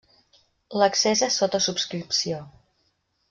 L'accés és sota subscripció.